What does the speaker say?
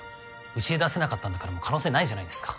うちで出せなかったんだからもう可能性ないじゃないですか。